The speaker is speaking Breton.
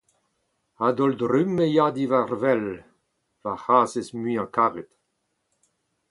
A-daol-trumm ez a diwar-wel, ma c'hazhez muiañ-karet.